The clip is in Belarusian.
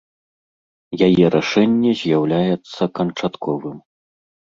Яе рашэнне з'яўляецца канчатковым.